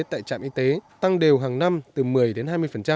tại trạm y tế tăng đều hàng năm từ một mươi đến hai mươi